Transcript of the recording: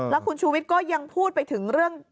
แล้วคุณชูวิทย์ก็ยังพูดไปถึงเรื่อง